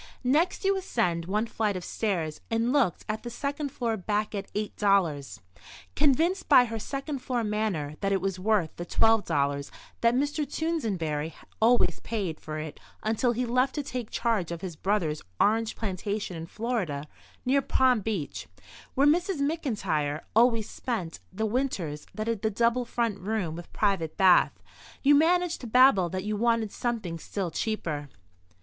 Next you ascended one flight of stairs and looked at the second floor back at $8. Convinced by her second floor manner that it was worth the $12 that Mr. Toosenberry always paid for it until he left to take charge of his brother's orange plantation in Florida near Palm Beach, where Mrs. McIntyre always spent the winters that had the double front room with private bath, you managed to babble that you wanted something still cheaper.